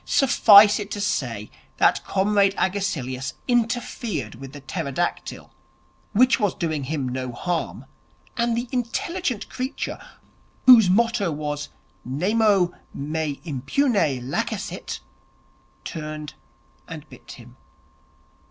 'Suffice it to say that Comrade Agesilaus interfered with the pterodactyl, which was doing him no harm; and the intelligent creature, whose motto was "Nemo me impune lacessit", turned and bit him.